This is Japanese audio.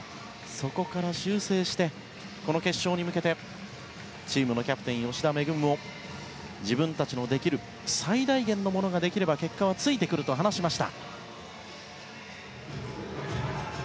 そこから修正してこの決勝に向けてチームのキャプテン吉田萌も自分たちのできる最大限のものができれば結果はついてくると話しました。